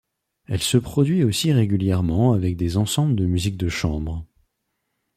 Elle se produit aussi régulièrement avec des ensembles de musique de chambre.